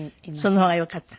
その方がよかった？